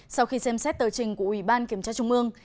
sau khi xem xét tờ trình của ủy ban kiểm tra trung ương